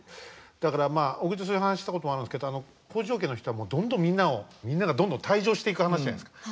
だからまあ小栗とそういう話したこともあるんですけど北条家の人はどんどんみんなをみんながどんどん退場していく話じゃないですか。